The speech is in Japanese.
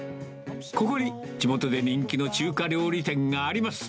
ここに、地元で人気の中華料理店があります。